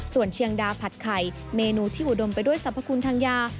ส่วนเชียงดาผัดไข่เมนูที่อุดมไปด้วยสรรพคุณทางยา